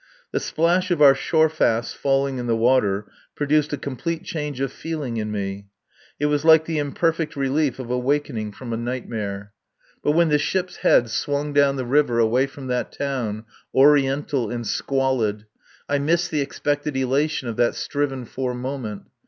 The splash of our shore fasts falling in the water produced a complete change of feeling in me. It was like the imperfect relief of awakening from a nightmare. But when the ship's head swung down the river away from that town, Oriental and squalid, I missed the expected elation of that striven for moment.